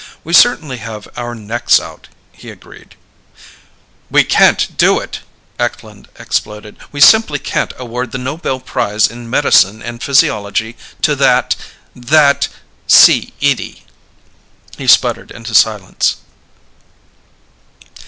"We certainly have our necks out," he agreed. "We can't do it!" Eklund exploded. "We simply can't award the Nobel Prize in medicine and physiology to that ... that C. Edie!" He sputtered into silence.